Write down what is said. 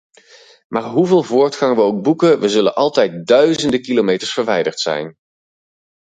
Maar hoeveel voortgang we ook boeken, we zullen altijd duizenden kilometers verwijderd zijn.